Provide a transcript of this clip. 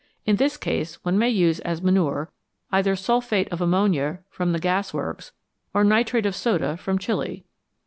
In this case one may use as manure either sulphate of ammonia from the gasworks, or nitrate of soda from Chili.